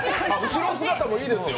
後ろ姿もいいですよ。